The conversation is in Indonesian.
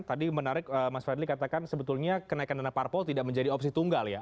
tadi menarik mas fadli katakan sebetulnya kenaikan dana parpol tidak menjadi opsi tunggal ya